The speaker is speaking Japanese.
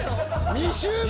２周目？